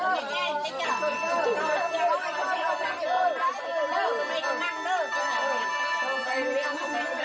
โทรแม่แกเติม